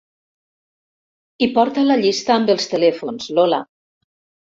I porta la llista amb els telèfons, Lola.